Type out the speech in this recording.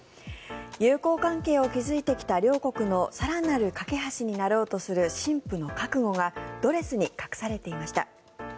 友好関係を築いてきた両国の更なる懸け橋になろうとする新婦の覚悟がドレスに隠されていました。